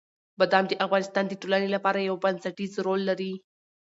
بادام د افغانستان د ټولنې لپاره یو بنسټيز رول لري.